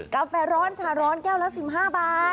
กาแฟร้อนชาร้อนแก้วละ๑๕บาท